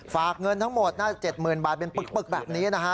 ฝากเงินทั้งหมดน่าจะ๗๐๐บาทเป็นปึกแบบนี้นะฮะ